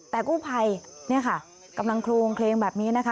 แต่กู้ภัยเนี่ยค่ะกำลังโครงเคลงแบบนี้นะคะ